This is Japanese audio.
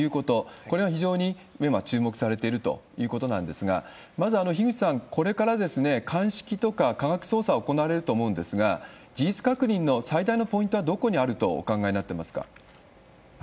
これは非常に注目されているということなんですが、まず、樋口さん、これから鑑識とか科学捜査行われると思うんですが、事実確認の最大のポイントはどこにあるとお考えになってますか？